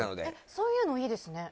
そういうのいいですね。